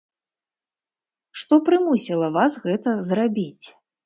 Што прымусіла вас гэта зрабіць?